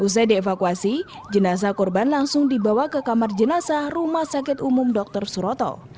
usai dievakuasi jenazah korban langsung dibawa ke kamar jenazah rumah sakit umum dr suroto